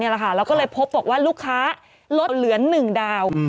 แล้วก็เลยพบบอกว่าลูกค้าลดเหลือ๑ดาว